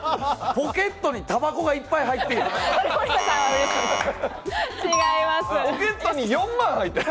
ポケットにタバコがいっぱい入っている。